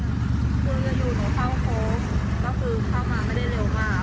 ควายมันเดินอยู่ข้าวโค้ง